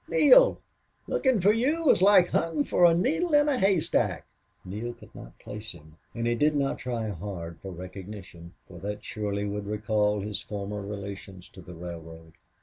"Neale! Lookin' for you was like huntin' for a needle in a haystack." Neale could not place him, and he did not try hard for recognition, for that surely would recall his former relations to the railroad.